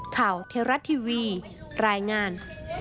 ข่าวเทราะต์ทีวีรายงาน